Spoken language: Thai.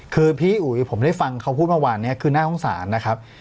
คือพี่อุ๋ยผมได้ฟังเขาพูดเมื่อวานนี้คือหน้าห้องศาลนะครับ